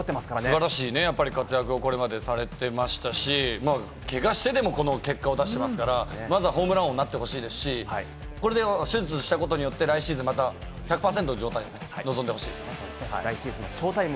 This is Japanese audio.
素晴らしい活躍をこれまでされてましたし、怪我してもこの結果を出してますから、まずはホームラン王になってほしいですし、手術したことによって来シーズン、また１００％の状態で臨んでほしいですね。